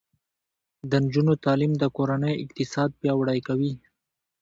د نجونو تعلیم د کورنۍ اقتصاد پیاوړی کوي.